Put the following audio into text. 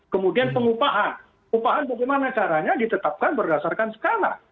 kemudian pengupahan upahan bagaimana caranya ditetapkan berdasarkan skala